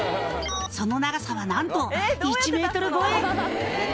「その長さはなんと１ｍ超え」